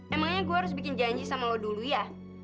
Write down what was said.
emangnya gue harus bikin janji sama lo dulu ya